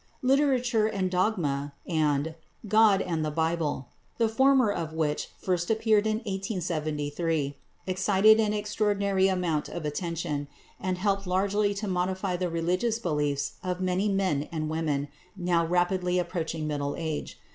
"Literature and Dogma" and "God and the Bible," the former of which first appeared in 1873, excited an extraordinary amount of attention, and helped largely to modify the religious beliefs of many men and women now rapidly approaching middle age.